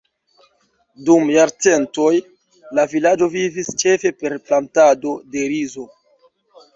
Dum jarcentoj, la vilaĝo vivis ĉefe per plantado de rizo.